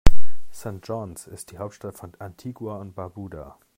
St. John’s ist die Hauptstadt von Antigua und Barbuda.